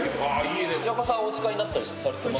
これお使いになったりされてます？